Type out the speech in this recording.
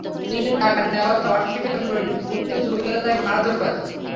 তিনি টাকা নেওয়ার কথা অস্বীকার করলে ক্ষুব্ধ যুবকেরা তাঁকে মারধর করে।